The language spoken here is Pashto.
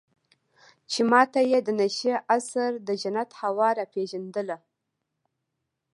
چې ما ته يې د نشې اثر د جنت هوا راپېژندله.